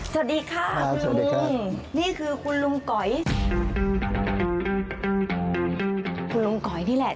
สวัสดีค่ะคุณลุงนี่คือคุณลุงก๋อยคุณลุงก๋อยนี่แหละ